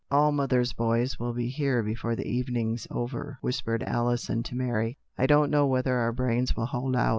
" All mother's i boys ' will be here before the evening's over," whispered Alison to Mary. "I don't know whether our brains will hold out."